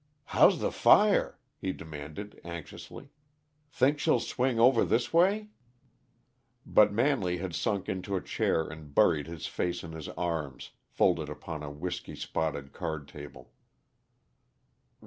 "How's the fire?" he demanded anxiously. "Think she'll swing over this way?" But Manley had sunk into a chair and buried his face in his arms, folded upon a whisky spotted card table.